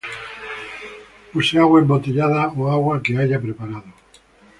Use agua embotellada o agua que haya preparado